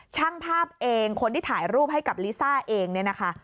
ช่างภาพเองคนที่ถ่ายรูปให้กับลิซ่าเองเนี่ยนะคะ